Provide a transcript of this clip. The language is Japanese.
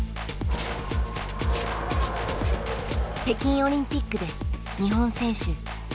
北京オリンピックで日本選手